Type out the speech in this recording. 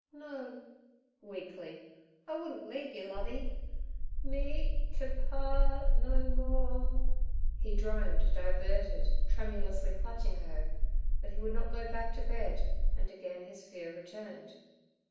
'No'—weakly—'I wouldn't leave yer, Lovey. Mee et t' paa art no mo—ore, he droned, diverted, tremulously clutching her. But he would not go back to bed, and again his fear returned.